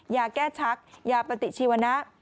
ยาแก้ชักยาปฏิชีวนะ